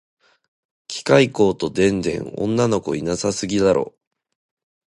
機械工と電電女の子いなさすぎだろ